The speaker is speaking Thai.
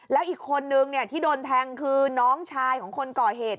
แล้วอีกคนนึงที่โดนแทงคือน้องชายของคนก่อเหตุ